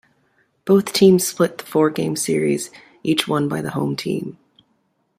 Both teams split the four-game series, each won by the home team.